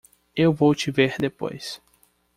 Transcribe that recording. Eu vou te ver depois.